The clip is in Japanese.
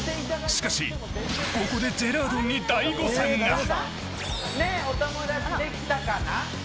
しかしここでジェラードンに大誤算がねえお友達できたかな？